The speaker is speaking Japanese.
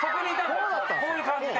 こういう感じで。